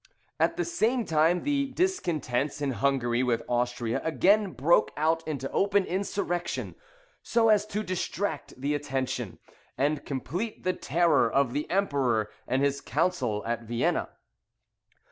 At the same time the discontents in Hungary with Austria again broke out into open insurrection, so as to distract the attention, and complete the terror of the Emperor and his council at Vienna.